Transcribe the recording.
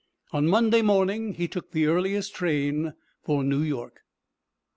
On Monday morning he took the earliest train for New York.